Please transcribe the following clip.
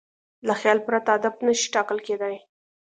له خیال پرته هدف نهشي ټاکل کېدی.